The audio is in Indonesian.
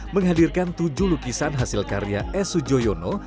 menghadirkan tujuh lukisan hasil karya e sujoyono